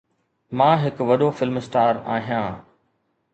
مان هڪ وڏو فلم اسٽار آهيان